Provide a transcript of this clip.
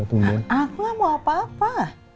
aku gak mau apa apa